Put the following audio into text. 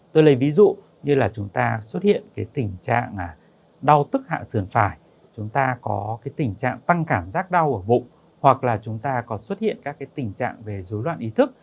tôi lấy ví dụ như là chúng ta xuất hiện tình trạng đau tức hạ sườn phải chúng ta có cái tình trạng tăng cảm giác đau ở bụng hoặc là chúng ta còn xuất hiện các tình trạng về dối loạn ý thức